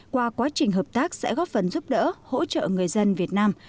qua quá trình hợp tác sẽ góp phần giúp đỡ hỗ trợ người dân việt nam